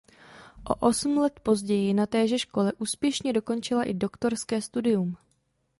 O osm let později na téže škole úspěšně dokončila i doktorské studium.